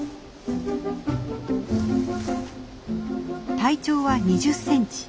体長は２０センチ。